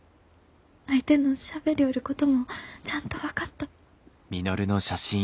相手のしゃべりょおることもちゃんと分かった。